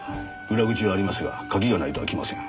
裏口はありますが鍵がないと開きません。